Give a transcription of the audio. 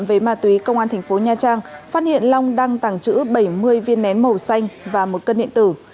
về ma túy công an tp nha trang phát hiện long đăng tảng chữ bảy mươi viên nén màu xanh và một cân điện tử